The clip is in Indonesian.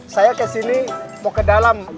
saya kesini mau ke dalam